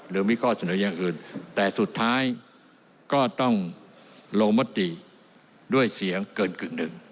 หรือมีข้อเสนออย่างอื่นแต่สุดท้ายก็ต้องลงมติด้วยเสียงเกินกึ่งหนึ่ง